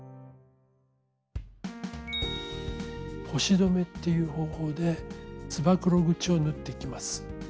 「星止め」っていう方法でつばくろ口を縫っていきます。